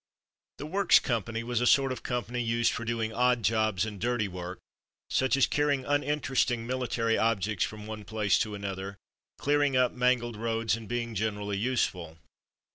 The Works company was a sort of com pany used for doing odd jobs and "dirty work" such as carrying uninteresting mili 76 From Mud to Mufti tary objects from one place to another, clearing up mangled roads and being gen erally useful.